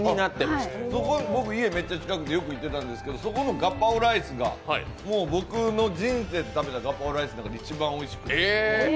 そこ、家がめちゃ近くてよく行ってたんですがそこのガパオライスが自分の人生で食べたガパオライスの中で一番おいしくて。